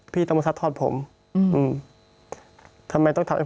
พี่เรื่องมันยังไงอะไรยังไง